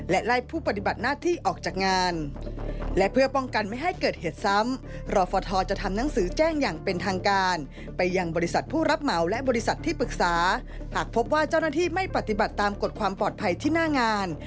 หากพบว่าเจ้าหน้าที่ไม่ปฏิบัติตามกฎความปลอดภัยที่หน้างาน